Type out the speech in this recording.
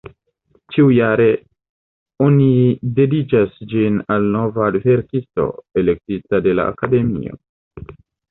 Ĉiujare oni dediĉas ĝin al nova verkisto, elektita de la Akademio.